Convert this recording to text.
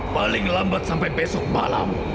paling lambat sampai besok malam